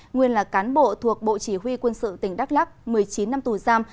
nguyên là cán bộ thuộc bộ chỉ huy quân sự tỉnh đắk lắc một mươi chín năm tù giam